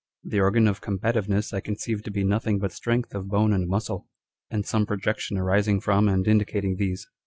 The organ of combativeness I conceive to be nothing but strength of bone and muscle, and some projection arising from and indicating these.